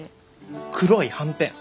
黒いはんぺん。